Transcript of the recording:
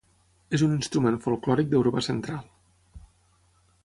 És un instrument folklòric d'Europa Central.